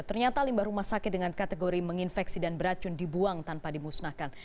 ternyata limbah rumah sakit dengan kategori menginfeksi dan beracun dibuang tanpa dimusnahkan